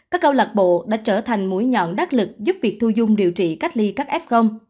các câu lạc bộ đã trở thành mũi nhọn đắc lực giúp việc thu dung điều trị cách ly các f